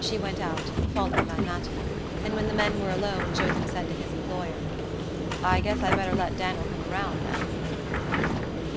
She went out, followed by Mattie, and when the men were alone Jotham said to his employer: "I guess I better let Dan'l come round, then."